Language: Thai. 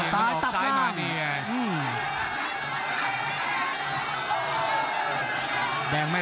ภูตวรรณสิทธิ์บุญมีน้ำเงิน